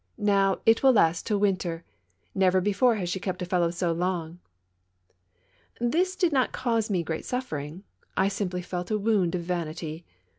Now, it will last till winter. Never before has she kept a fellow so long!" This did not cause me great suffering. I simply felt a wound of vanity.